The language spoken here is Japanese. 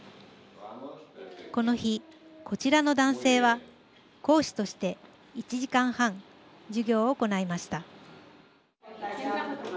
この日、こちらの男性は講師として１時間半授業を行いました。